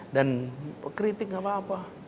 dan kritik tidak apa apa